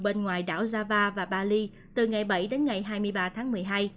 bên ngoài đảo java và bali từ ngày bảy đến ngày hai mươi ba tháng một mươi hai